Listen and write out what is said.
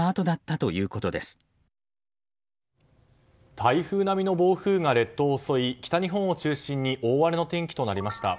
台風並みの暴風が列島を襲い北日本を中心に大荒れの天気となりました。